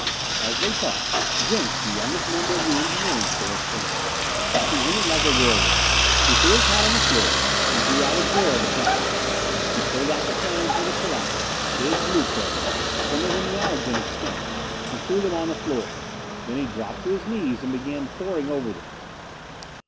As they talked Jenks, the youngest member of the engineering force, entered. He entered like a whirlwind. He threw his hat on the floor and drew out a drawer of a cabinet. He pulled out the plans for the Colossus, big blue prints, some of them yards in extent, and threw them on the floor. Then he dropped to his knees and began poring over them.